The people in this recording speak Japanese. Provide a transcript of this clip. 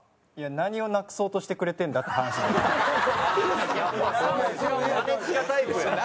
いや何をなくそうとしてくれてんだって話です。